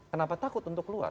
kenapa takut untuk keluar